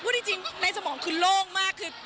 พูดจริงในสมองคือโล่งมากคือ